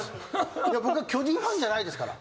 いや僕は巨人ファンじゃないですから。